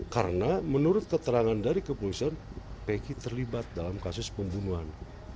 karena menurut keterangan dari kepolisian pegi terlibat dalam kasus pembunuhan